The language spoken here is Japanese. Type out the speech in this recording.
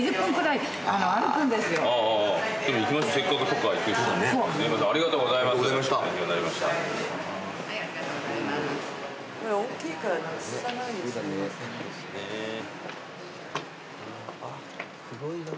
すごい！